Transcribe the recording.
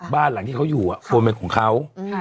บ้านหลังที่เขาอยู่ควรเป็นของเขา